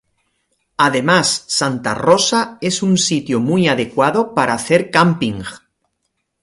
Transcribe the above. Además santa Rosa es un sitio muy adecuado para hacer camping.